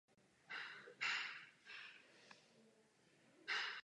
Zadeček je podélně pruhovaný.